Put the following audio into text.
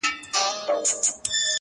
o آس چي خداى خواروي، نو ئې يابو کي.